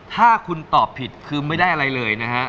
ถ้าคุณตอบผิดคือไม่ได้อะไรเลยนะฮะ